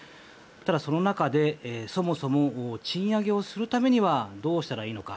ただ、その中でそもそも、賃上げをするためにはどうしたらいいのか。